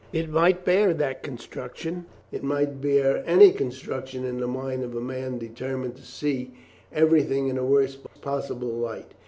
"It might bear that construction." "It might bear any construction in the mind of a man determined to see everything in the worst possible light.